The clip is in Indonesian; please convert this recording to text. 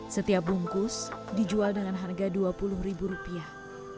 setiap bungkus dijual dengan harga dua puluh ribu rupiah